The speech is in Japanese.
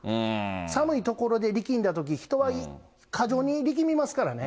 寒い所で力んだとき、人は過剰に力みますからね。